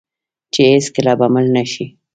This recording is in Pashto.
چې هیڅکله به مړ نشي.